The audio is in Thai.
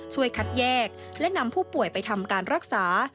ช่วยคัดแยกและนำผู้ป่วยไปทำการรักษา